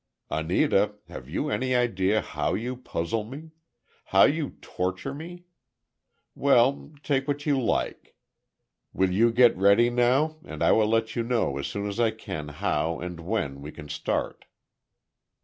"Anita, have you any idea how you puzzle me? how you torture me? Well, take what you like. Will you get ready now, and I will let you know as soon as I can, how and when we can start."